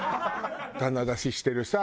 棚出ししてるさ